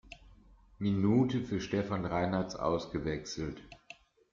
Minute für Stefan Reinartz ausgewechselt.